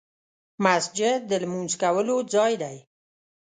مسجد د لمونځ کولو ځای دی .